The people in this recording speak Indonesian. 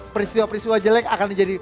peristiwa peristiwa jelek akan menjadi